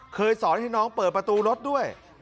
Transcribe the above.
สอนให้น้องเปิดประตูรถด้วย